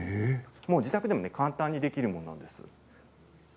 自宅でも簡単にできるものなんです。